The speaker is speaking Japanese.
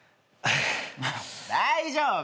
大丈夫！